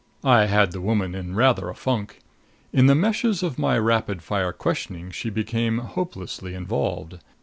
I had the woman in rather a funk. In the meshes of my rapid fire questioning she became hopelessly involved.